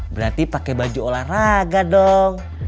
berarti pakai baju olahraga dong